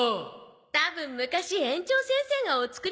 たぶん昔園長先生がお作りになったのよ。